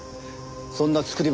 そんな作り話。